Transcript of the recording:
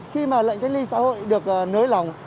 khi mà lệnh cách ly xã hội được nới lỏng